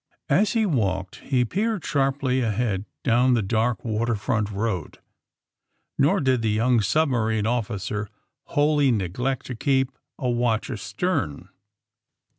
As he walked he peered sharply ahead down the dark water front road. Nor did the young submarine officer wholly neglect to keep a watch astern.'